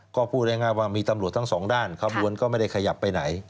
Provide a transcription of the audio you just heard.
ก็พูดง่ายว่ามีตำรวจทั้งสองด้านขบวนก็ไม่ได้ขยับไปไหน